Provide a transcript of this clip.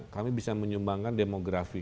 kami bisa menyumbangkan demografi